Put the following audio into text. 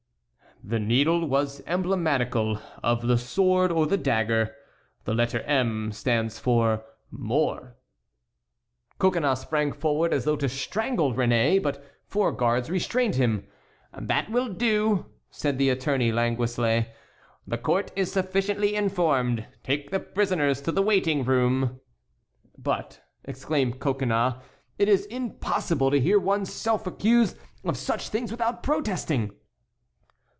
"The needle was emblematical of the sword or the dagger; the letter 'M' stands for mort." Coconnas sprang forward as though to strangle Réné, but four guards restrained him. "That will do," said the Attorney Laguesle, "the court is sufficiently informed. Take the prisoners to the waiting room." "But," exclaimed Coconnas, "it is impossible to hear one's self accused of such things without protesting."